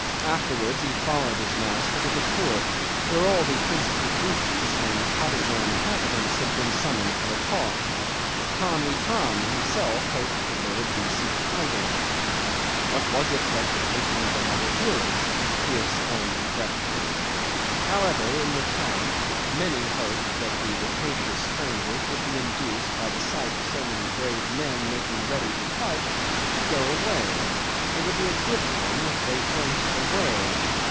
Afterwards he followed his master to the fort, where all the principal Bugis and Patusan inhabitants had been summoned for a talk. Tamb' Itam himself hoped there would be some fighting. "What was it but the taking of another hill?" he exclaimed regretfully. However, in the town many hoped that the rapacious strangers would be induced, by the sight of so many brave men making ready to fight, to go away. It would be a good thing if they went away.